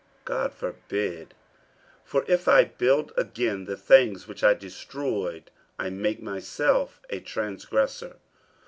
God forbid. 48:002:018 For if I build again the things which I destroyed, I make myself a transgressor.